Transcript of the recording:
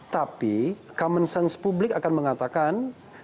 tapi common sense publik akan mengatakan